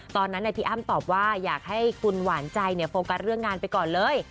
ตอนนั้นพี่อ้ำตอบว่าอยากให้คุณหวานใจโฟกัสเรื่องงานไปก่อนเลย